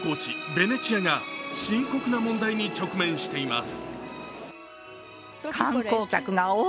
ベネチアが深刻な問題に直面しています。